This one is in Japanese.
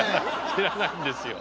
知らないんですよ。